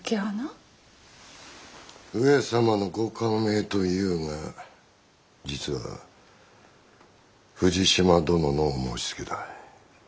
上様のご下命というが実は富士島殿のお申しつけだ。